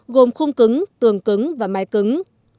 gồm khung cứng tường cứng và mái cứng